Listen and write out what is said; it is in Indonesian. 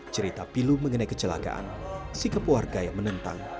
cerita pilu mengenai kecelakaan sikap warga yang menentang